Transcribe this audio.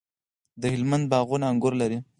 د هلمند باغونه انګور لري.